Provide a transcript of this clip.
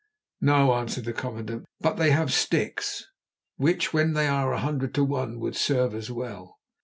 "No," answered the commandant, "but they have sticks, which when they are a hundred to one would serve as well."